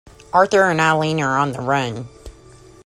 Arthur and Eileen are on the run.